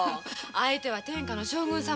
相手は天下の将軍様よ